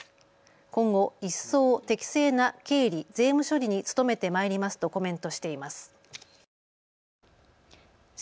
今後、一層、適正な経理・税務処理に努めてまいりますとコメントしています。